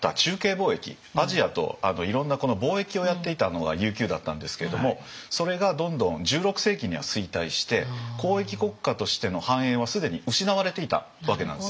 貿易アジアといろんな貿易をやっていたのが琉球だったんですけれどもそれがどんどん１６世紀には衰退して交易国家としての繁栄はすでに失われていたわけなんですね。